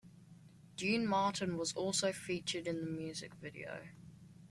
Duane Martin was also featured in the music video.